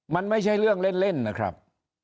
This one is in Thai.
มันไม่ใช่เรื่องเล่นนะครับ